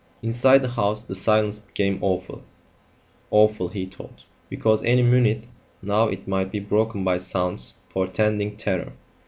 Inside the house the silence became awful; awful, he thought, because any minute now it might be broken by sounds portending terror.